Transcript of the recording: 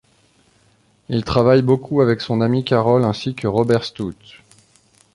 Il travaille beaucoup avec son ami Carroll ainsi que Robert Stout.